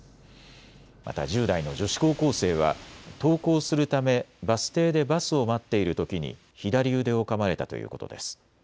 また１０代の女子高校生は登校するためバス停でバスを待っているときに左腕をかまれたということです。